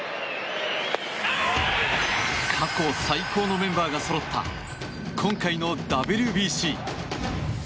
過去最高のメンバーがそろった今回のＷＢＣ。